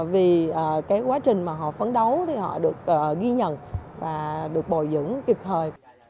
vì cái quá trình mà họ phấn đấu thì họ được ghi nhận và được bồi dưỡng kịp thời